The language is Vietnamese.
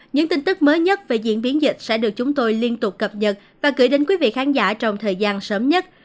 những tin tức mới nhất về diễn biến dịch sẽ được chúng tôi liên tục cập nhật và gửi đến quý vị khán giả trong thời gian sớm nhất